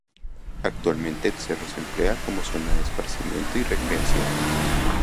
Actualmente el cerro se emplea como zona de esparcimiento y recreación.